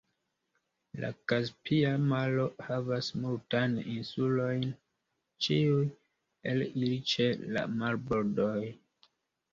La Kaspia Maro havas multajn insulojn, ĉiuj el ili ĉe la marbordoj.